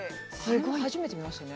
初めて見ましたね。